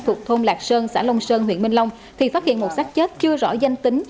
thuộc thôn lạc sơn xã long sơn huyện minh long thì phát hiện một sát chết chưa rõ danh tính